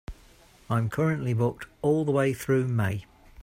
I'm currently booked all the way through May.